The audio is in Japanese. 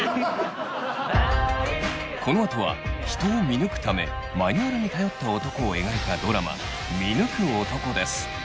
このあとは人を見抜くためマニュアルに頼った男を描いたドラマ「見抜く男」です。